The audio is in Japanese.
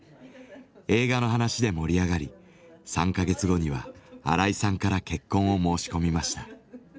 映画の話で盛り上がり３か月後には荒井さんから結婚を申し込みました。